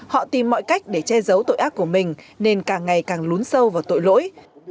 họ tìm mọi cách để che giấu tội ác của mình nên càng ngày càng lún sâu vào tội lỗi